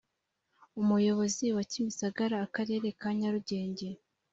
umuyobozi wa kimisagara akarere ka nyarugenge